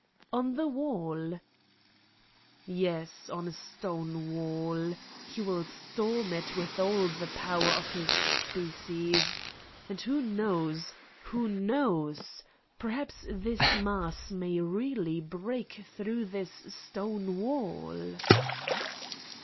"On the wall?" "Yes, on a stone wall. He will storm it with all the power of his species! And who knows ... who knows ... perhaps this mass may really break through this stone wall?"